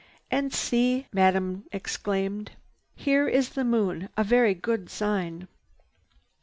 "And see!" Madame exclaimed. "Here is the Moon. A very good sign.